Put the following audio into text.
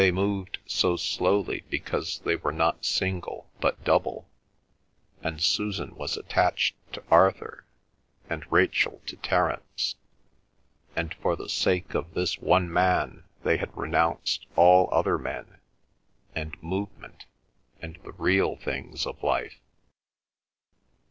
They moved so slowly because they were not single but double, and Susan was attached to Arthur, and Rachel to Terence, and for the sake of this one man they had renounced all other men, and movement, and the real things of life.